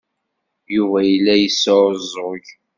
Yuba yella yesɛuẓẓug.